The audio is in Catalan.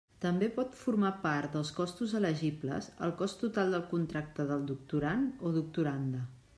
També pot formar part dels costos elegibles el cost total del contracte del doctorand o doctoranda.